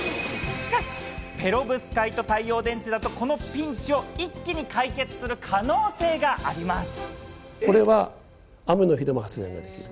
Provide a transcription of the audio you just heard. しかしペロブスカイト太陽電池だと、このピンチを一気に解決する可能性があります。